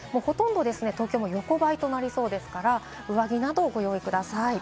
東京も横ばいとなりそうですから上着などをご用意ください。